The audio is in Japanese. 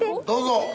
どうぞ。